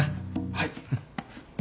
はい。